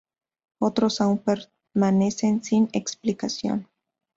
Otros aún permanecen sin explicación.